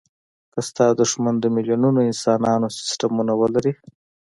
که ستا دوښمن د میلیونونو انسانانو سستمونه ولري.